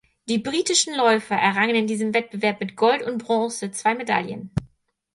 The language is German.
Die britischen Läufer errangen in diesem Wettbewerb mit Gold und Bronze zwei Medaillen.